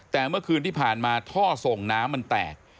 แต่เมื่อคืนที่ผ่านมาท่อส่งน้ำมันแตก